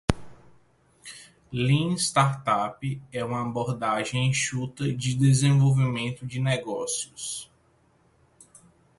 Lean Startup é uma abordagem enxuta de desenvolvimento de negócios.